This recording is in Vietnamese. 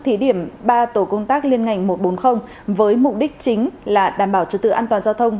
thí điểm ba tổ công tác liên ngành một trăm bốn mươi với mục đích chính là đảm bảo trật tự an toàn giao thông